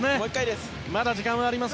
まだ時間はあります